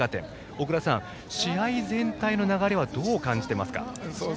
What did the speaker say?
小倉さん、試合全体の流れはどう感じていますか？